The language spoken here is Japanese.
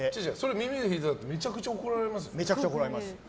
耳で弾いたらめちゃくちゃ怒られません？